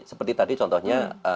seperti tadi contohnya